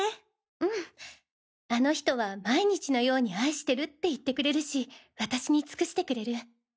うんあの人は毎日のように愛してるって言ってくれるし私に尽くしてくれる。